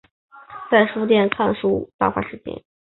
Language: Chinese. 在书店看书打发时间